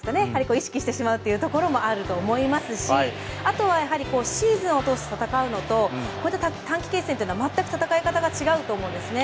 意識してしまうっていうところもあると思いますしあとはやはりシーズンを通して戦うのとこういった短期決戦っていうのは全く戦い方が違うと思うんですね